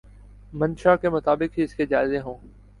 منشاء کے مطابق ہی اس کے جائزے ہوں۔